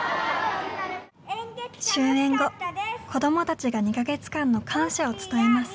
終演後子どもたちが２か月間の感謝を伝えます。